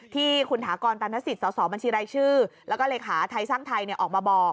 ที่คุณถากรตันทศิษย์สอบบัญชีรายชื่อแล้วก็เลขาไทยสร้างไทยออกมาบอก